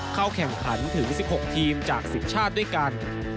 เข้าแข่งขันถึง๑๖ทีมจาก๑๐ชาติด้วยกัน